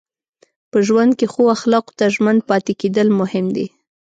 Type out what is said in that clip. په ژوند کې ښو اخلاقو ته ژمن پاتې کېدل مهم دي.